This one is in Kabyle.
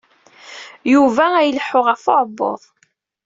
Yuba a ileḥḥu ɣef uɛebbuḍ.